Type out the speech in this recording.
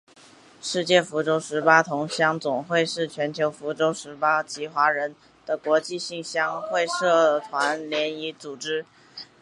世界福州十邑同乡总会是全球福州十邑籍华人的国际性乡会社团联谊组织。